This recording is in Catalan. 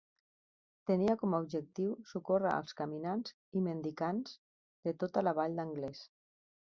Tenia com a objectiu socórrer als caminants i mendicants de tota la vall d'Anglès.